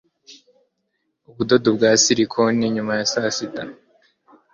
ubudodo bwa silikoni nyuma ya saa sita